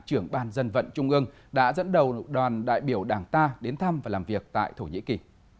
trưởng ban dân vận trung ương đã dẫn đầu đoàn đại biểu đảng ta đến thăm và làm việc tại thổ nhĩ kỳ